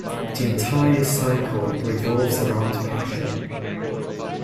The entire cycle revolves around Pascha.